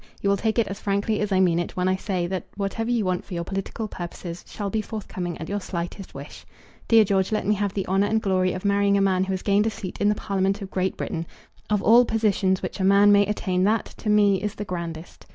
You will take it as frankly as I mean it when I say, that whatever you want for your political purposes shall be forthcoming at your slightest wish. Dear George, let me have the honour and glory of marrying a man who has gained a seat in the Parliament of Great Britain! Of all positions which a man may attain that, to me, is the grandest.